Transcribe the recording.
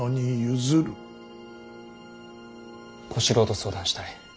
小四郎と相談したい。